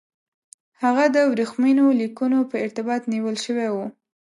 هغه د ورېښمینو لیکونو په ارتباط نیول شوی وو.